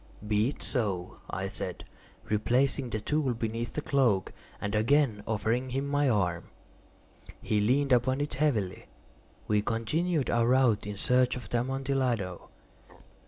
"Be it so," I said, replacing the tool beneath the cloak, and again offering him my arm. He leaned upon it heavily. We continued our route in search of the Amontillado.